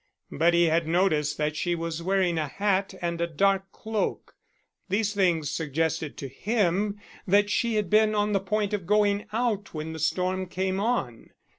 But he had noticed that she was wearing a hat and a dark cloak. These things suggested to him that she had been on the point of going out when the storm came on.